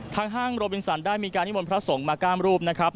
ห้างโรบินสันได้มีการนิมนต์พระสงฆ์มาก้ามรูปนะครับ